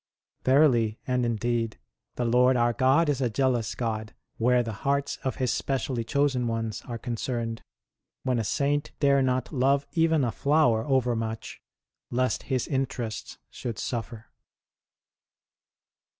Verily and indeed the Lord our God is a jealous God where the hearts of His specially chosen ones are concerned, when a Saint dare not love even a flower overmuch lest His interests should suffer